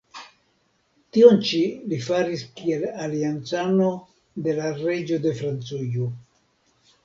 Tion ĉi li faris kiel aliancano de la reĝo de Francujo.